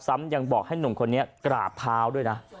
ยังบอกให้หนุ่มคนนี้กราบเท้าด้วยนะ